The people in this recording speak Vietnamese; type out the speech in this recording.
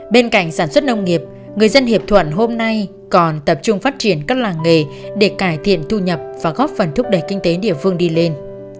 bên cạnh sản xuất nông nghiệp người dân hiệp thuận hôm nay còn tập trung phát triển các làng nghề để cải thiện thu nhập và góp phần thúc đẩy kinh tế địa phương đi lên